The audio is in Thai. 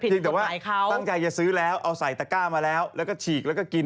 จริงแต่ว่าตั้งใจจะซื้อแล้วเอาใส่ตะก้ามาแล้วแล้วก็ฉีกแล้วก็กิน